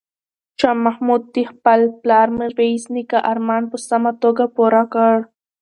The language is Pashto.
شاه محمود د خپل پلار میرویس نیکه ارمان په سمه توګه پوره کړ.